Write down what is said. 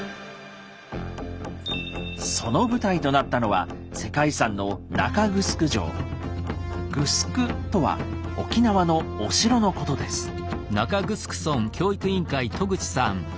その舞台となったのは「グスク」とは沖縄のお城のことです。え！